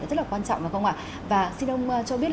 rất là quan trọng phải không ạ và xin ông cho biết là